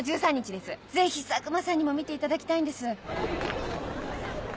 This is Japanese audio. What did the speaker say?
ぜひ佐久間さんにも見ていただきたいんです。